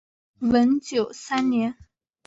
文久三年。